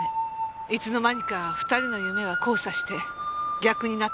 いつの間にか２人の夢は交差して逆になった。